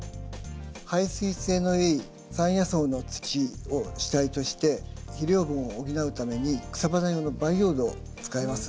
排水性のいい山野草の土を主体として肥料分を補うために草花用の培養土を使います。